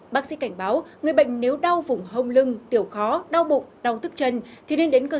bác sĩ cảnh báo người bệnh nếu đau vùng hông lưng tiểu khó đau bụng đau thức chân